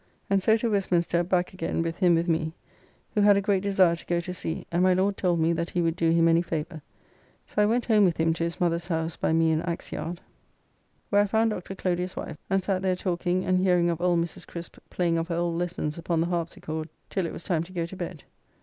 And so to Westminster back again with him with me, who had a great desire to go to sea and my Lord told me that he would do him any favour. So I went home with him to his mother's house by me in Axe Yard, where I found Dr. Clodius's wife and sat there talking and hearing of old Mrs. Crisp playing of her old lessons upon the harpsichon till it was time to go to bed.